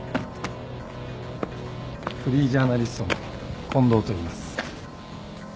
フリージャーナリストの近藤といいます。